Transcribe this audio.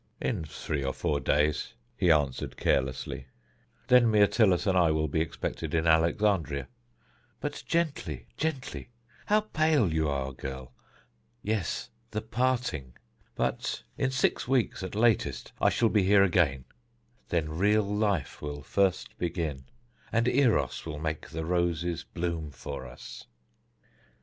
"In three or four days," he answered carelessly; "then Myrtilus and I will be expected in Alexandria. But gently gently how pale you are, girl! Yes, the parting! But in six weeks at latest I shall be here again; then real life will first begin, and Eros will make the roses bloom for us."